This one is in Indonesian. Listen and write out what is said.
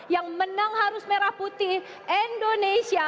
yang menang harus merah putih indonesia